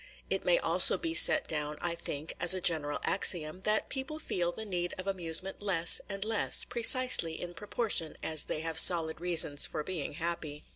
It may also be set down, I think, as a general axiom, that people feel the need of amusements less and less, precisely in proportion as they have solid reasons for being happy.